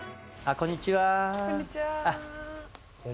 こんにちは。